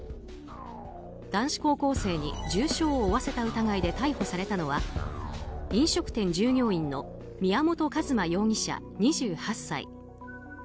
男子高校生に重傷を負わせた疑いで逮捕されたのは飲食店従業員の宮本一馬容疑者、２８歳。